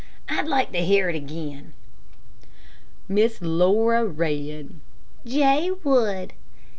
"I'd like to hear it again." Miss Laura read: J. WOOD, Esq.